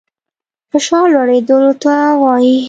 فشار لوړېدلو ته وايي.